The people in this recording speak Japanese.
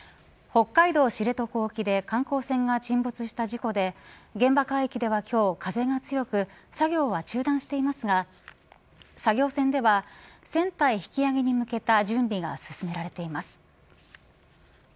北海道知床沖で観光船が沈没した事故で現場海域では今日風が強く作業は中断していますが作業船では船体引き揚げに向けた準備が進められています。